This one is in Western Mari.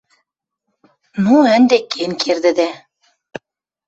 Ну, ӹнде кен кердӹдӓ.